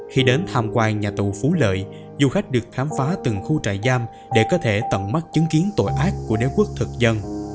khi đến tham quan nhà tù phú lợi du khách được khám phá từng khu trại giam để có thể tận mắt chứng kiến tội ác của đế quốc thực dân